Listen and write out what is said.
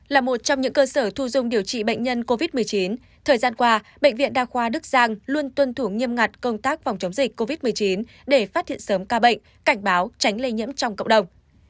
là một trong những cơ sở thu dung điều trị bệnh nhân covid một mươi chín thời gian qua bệnh viện đa khoa đức giang luôn tuân thủ nghiêm ngặt công tác phòng chống dịch covid một mươi chín để phát hiện sớm ca bệnh cảnh báo tránh lây nhiễm trong cộng đồng